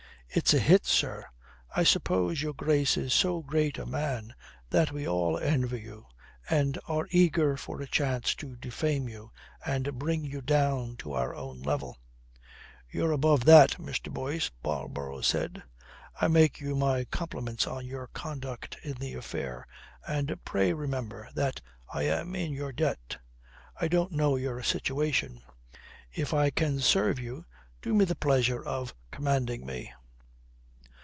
"It's a hit, sir. I suppose your Grace is so great a man that we all envy you and are eager for a chance to defame you and bring you down to our own level." "You're above that, Mr. Boyce," Marlborough said. "I make you my compliments on your conduct in the affair. And pray remember that I am in your debt. I don't know your situation. If I can serve you, do me the pleasure of commanding me."